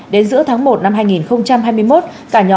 đến giữa tháng một năm hai nghìn hai mươi một cả nhóm đến an giang gặp mãnh